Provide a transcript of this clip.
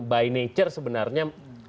by nature sebenarnya